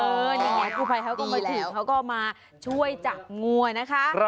เอออย่างนี้กูภัยเขาก็มาถึงเขาก็มาช่วยจับงัวนะคะ